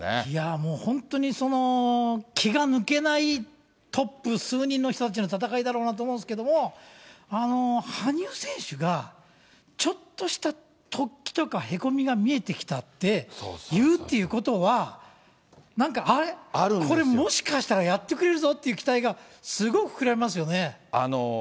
いや、本当にその気が抜けないトップ数人の人たちの戦いだろうなと思うんですけど、羽生選手が、ちょっとした突起とか、へこみが見えてきたって言うっていうことは、なんか、これもしかしたらやってくれるぞっていう期待が、すごく膨らみますよね。